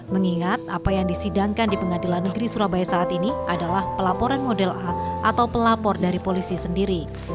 mengingat apa yang disidangkan di pengadilan negeri surabaya saat ini adalah pelaporan model a atau pelapor dari polisi sendiri